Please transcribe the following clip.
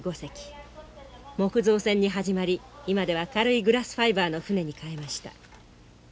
木造船に始まり今では軽いグラスファイバーの舟に替えました。